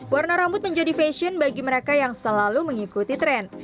warna rambut menjadi fashion bagi mereka yang selalu mengikuti tren